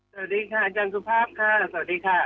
สวัสดีค่ะอาจารย์สุภาพค่ะสวัสดีค่ะ